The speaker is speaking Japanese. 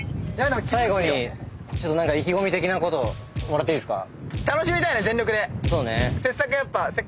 最後にちょっと何か意気込み的なことをもらっていいですか？